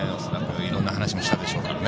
いろんな話もしたでしょうからね。